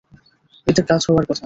এতে কাজ হওয়ার কথা।